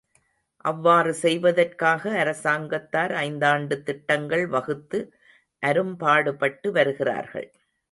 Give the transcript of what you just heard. அவ்வாறு செய்வதற்காக அரசாங்கத்தார் ஐந்தாண்டுத் திட்டங்கள் வகுத்து அரும்பாடுபட்டு வருகிறார்கள்.